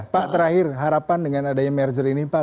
pak terakhir harapan dengan adanya merger ini pak